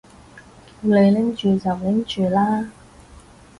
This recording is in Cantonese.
叫你拎住就拎住啦